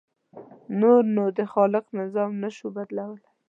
نور نو د خالق نظام نه شو بدلولی.